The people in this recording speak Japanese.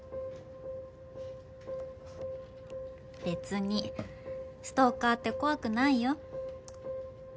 別にストーカーって怖くないよ。